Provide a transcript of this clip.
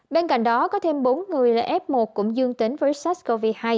bên cạnh đó có thêm bốn người là f một cũng dương tính với